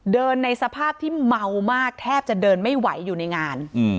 ในสภาพที่เมามากแทบจะเดินไม่ไหวอยู่ในงาน